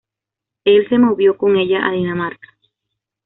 Él se movió con ella a Dinamarca.